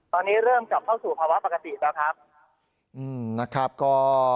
ตอนนี้เริ่มกลับเข้าสู่ภาวะปกติแล้วครับนะครับ